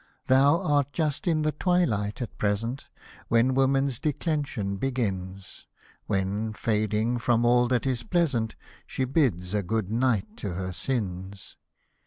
Thou art just in the twilight at present, When woman's declension begins ; When, fading from all that is pleasant, She bids a good night to her sins.